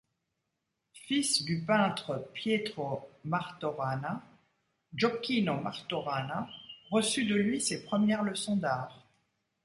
Fils du peintre Pietro Martorana, Giocchino Martorana reçut de lui ses premières leçons d'art.